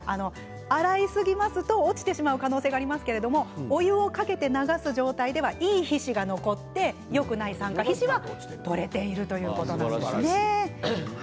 このあとシャンプーをするんですから洗いすぎますと落ちてしまう可能性がありますけれどお湯をかけて流す状態ではいい皮脂が残ってよくない酸化皮脂が取れていくということなんですね。